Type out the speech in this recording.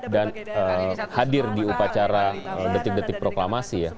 dan hadir di upacara detik detik proklamasi ya